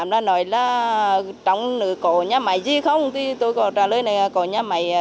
rồi thì viên